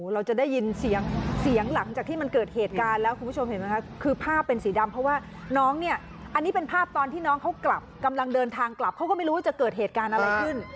เราจะได้ยินเสียงเสียงหลังจากที่มันเกิดเหตุการณ์แล้วคุณผู้ชมเห็นไหมคะคือภาพเป็นสีดำเพราะว่าน้องเนี่ยอันนี้เป็นภาพตอนที่น้องเขากลับกำลังเดินทางกลับเขาก็ไม่รู้ว่าจะเกิดเหตุการณ์อะไรขึ้น